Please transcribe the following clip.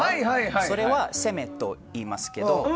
それは攻めといいますけど。